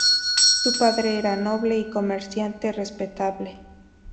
Su padre era noble, y comerciante respetable.